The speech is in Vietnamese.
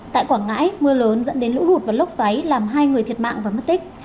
tại quảng ngãi mưa lớn dẫn đến lũ lụt và lốc xoáy làm hai người thiệt mạng và mất tích